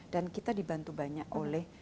dan kita dibantu banyak oleh